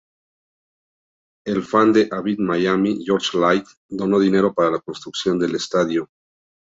El fan de Avid Miami, George Light, donó dinero para la construcción del estadio.